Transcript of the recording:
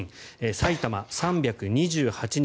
埼玉、３２８人。